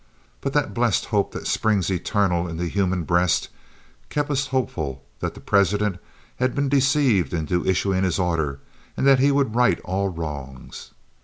But that blessed hope that springs eternal in the human breast kept us hopeful that the President had been deceived into issuing his order, and that he would right all wrongs.